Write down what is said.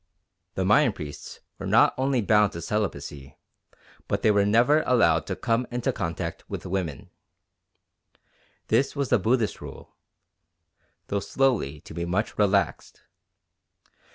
The Mayan priests were not only bound to celibacy, but they were never allowed to come into contact with women. This was the Buddhist rule, though slowly to be much relaxed.